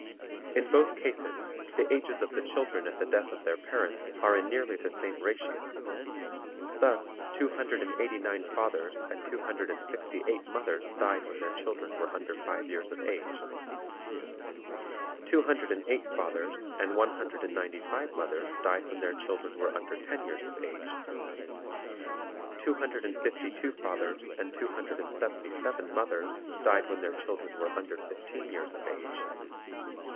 In both cases, the ages of the children at the death of their parents are in nearly the same ratio; thus, two hundred and eighty nine fathers and two hundred and sixty eight mothers died when their children were under five years of age; two hundred and eight fathers and one hundred and ninety five mothers died when their children were under ten years of age; two hundred and fifty two fathers and two hundred and seventy seven mothers died when their children were under fifteen years of age.